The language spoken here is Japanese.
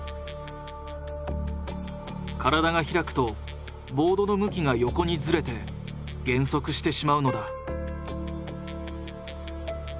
体が開くとボードの向きが横にズレて減速してしまうのだ。